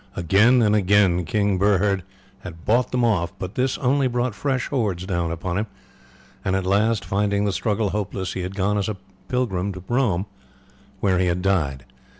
Again and again King Burhred had bought them off, but this only brought fresh hordes down upon him, and at last, finding the struggle hopeless, he had gone as a pilgrim to Rome, where he had died.